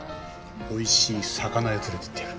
おいしい魚屋連れてってやる。